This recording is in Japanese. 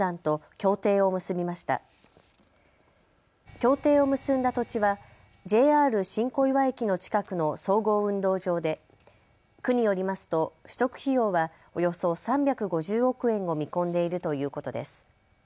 協定を結んだ土地はＪＲ新小岩駅の近くの総合運動場で区によりますと取得費用はおよそ３５０億円を見込んでいるということです。